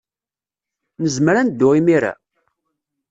Nezmer ad neddu imir-a?